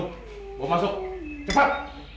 dung bawa masuk cepat